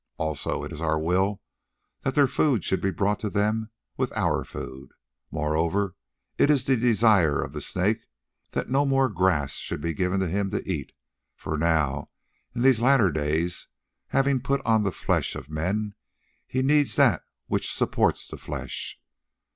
Also, it is our will that their food should be brought to them with our food. Moreover, it is the desire of the Snake that no more grass should be given to him to eat; for now, in these latter days, having put on the flesh of men, he needs that which will support the flesh.